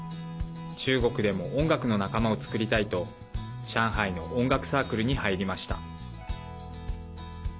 中国でも音楽の仲間を作りたいと上海の音楽サークルに入りました。